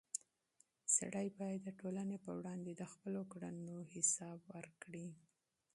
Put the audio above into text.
سړی باید د ټولنې په وړاندې د خپلو کړنو حساب ورکړي.